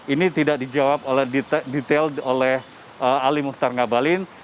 ini tidak dijawab oleh detail oleh ali muhtar ngabalin